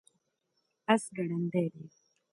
اس ګړندی دی